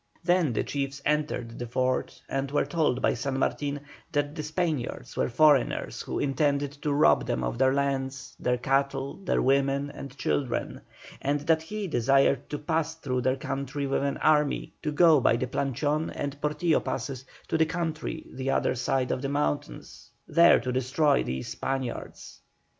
Then the chiefs entered the fort and were told by San Martin that the Spaniards were foreigners who intended to rob them of their lands, their cattle, their women, and children; and that he desired to pass through their country with an army, to go by the Planchon and Portillo Passes to the country the other side of the mountains, there to destroy these Spaniards.